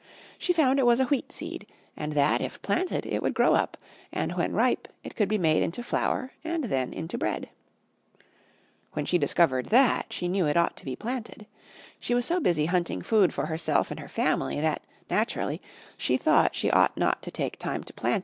She found it was a Wheat Seed and that, if planted, it would grow up and when ripe it could be made into flour and then into bread. When she discovered that, she knew it ought to be planted. She was so busy hunting food for herself and her family that, naturally, she thought she ought not to take time to plant it.